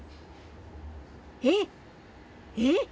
えっえっ！？